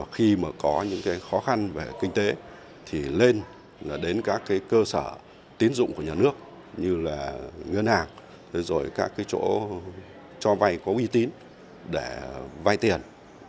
khi có những khó khăn về kinh tế lên đến các cơ sở tín dụng của nhà nước như ngân hàng cho vay có uy tín để vay tiền